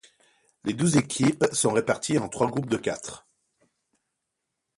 Les douze équipes sont réparties en trois groupes de quatre.